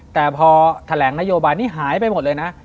แต่พอแถลงนโยบายนี้หายไปหมดเลยนะ